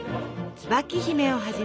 「椿姫」をはじめ